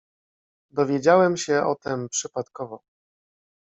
"Dowiedziałem się o tem przypadkowo."